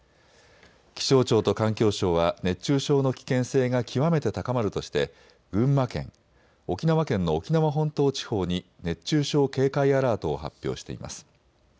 気象庁と環境省は熱中症の危険性が極めて高まるとして群馬県、沖縄県の沖縄本島地方に熱中症警戒アラートを発表しています。